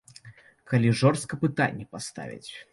Калі жорстка пытанне паставіць.